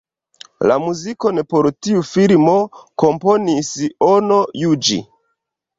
La muzikon por tiu filmo komponis Ono Juĝi.